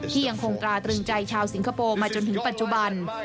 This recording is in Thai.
ยังคงตราตรึงใจชาวสิงคโปร์มาจนถึงปัจจุบัน